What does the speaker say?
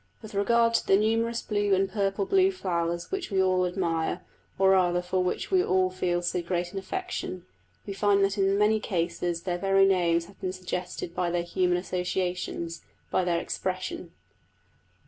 With regard to the numerous blue and purple blue flowers which we all admire, or rather for which we all feel so great an affection, we find that in many cases their very names have been suggested by their human associations by their expression.